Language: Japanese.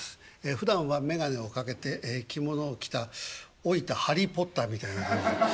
ふだんは眼鏡を掛けて着物を着た老いたハリー・ポッターみたいな感じ。